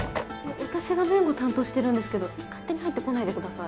私が弁護担当してるんですけど勝手に入ってこないでください